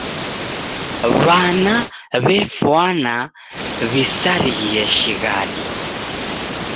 W'ana w'efwana w'isarighie shighadi.